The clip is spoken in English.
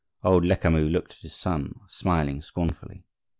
Old Lecamus looked at his son, smiling scornfully.